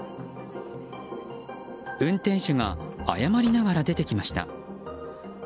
運転手が謝りながら出てきました。